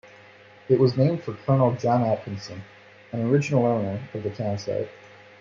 It was named for Colonel John Atkinson, an original owner of the town site.